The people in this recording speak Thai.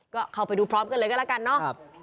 ก็เข้าไปดูพร้อมกันเลยก็แล้วกันเนาะ